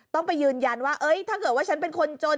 ต้องไปยืนยันว่าถ้าเกิดว่าฉันเป็นคนจน